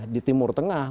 di timur tengah